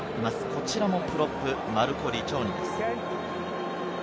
こちらもプロップ、マルコ・リチョーニです。